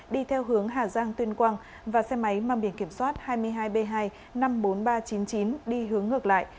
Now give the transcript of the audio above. đi theo hướng hà giang tuyên quang và xe máy mang biển kiểm soát hai mươi hai b hai năm mươi bốn nghìn ba trăm chín mươi chín đi hướng ngược lại